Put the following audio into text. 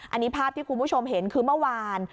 อันนี้ภาพที่คุณผู้ชมเห็นคือเมื่อวาน